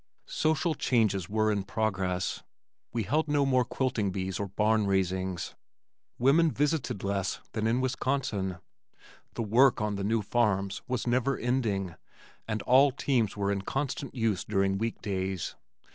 Social changes were in progress. We held no more quilting bees or barn raisings. Women visited less than in Wisconsin. The work on the new farms was never ending, and all teams were in constant use during week days.